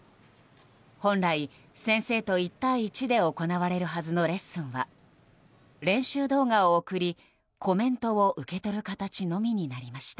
本来、先生と１対１で行われるはずのレッスンは練習動画を送りコメントを受けとる形のみになりました。